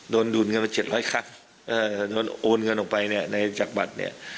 โดนดูนเงินมา๗๐๐ครั้งโอนเงินออกไปในจักรบัตรเนี่ย